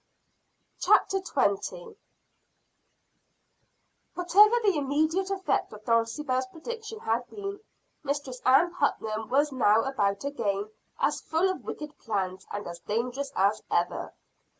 CHAPTER XX. Master Raymond Goes to Boston. Whatever the immediate effect of Dulcibel's prediction had been, Mistress Ann Putnam was now about again, as full of wicked plans, and as dangerous as ever.